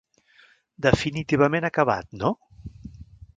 Definitivament acabat, no?